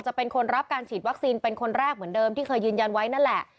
เป็นคนรับการฉีดวัคซีนเป็นคนแรกเหมือนเดิมที่เคยยืนยันไว้นั่นแหละ